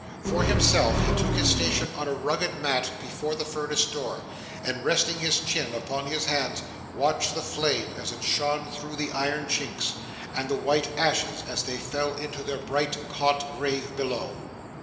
For himself, he took his station on a rugged mat before the furnace door, and resting his chin upon his hands, watched the flame as it shone through the iron chinks, and the white ashes as they fell into their bright hot grave below.